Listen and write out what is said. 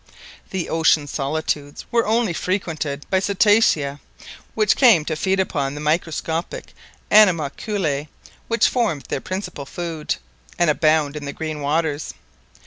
The ocean solitudes were only frequented by cetacea, which came to feed upon the microscopic anima[l]culae which form their principal food, and abound in the green waters.